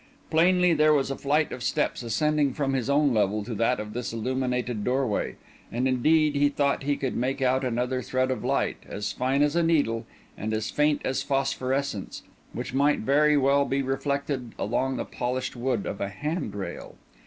Plainly there was a flight of steps ascending from his own level to that of this illuminated doorway; and indeed he thought he could make out another thread of light, as fine as a needle and as faint as phosphorescence, which might very well be reflected along the polished wood of a handrail.